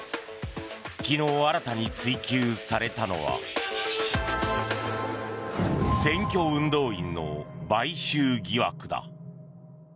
昨日、新たに追及されたのは選挙運動員の買収疑惑だ。